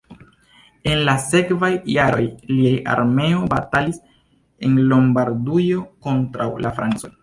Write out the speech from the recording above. En la sekvaj jaroj lia armeo batalis en Lombardujo kontraŭ la francoj.